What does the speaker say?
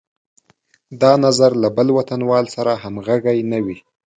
دا نظر له بل وطنوال سره همغږی نه وي.